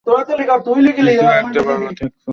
কিছু একটা ভালো ঠেকছে না।